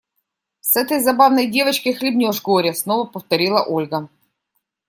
С этой забавной девочкой хлебнешь горя, – снова повторила Ольга.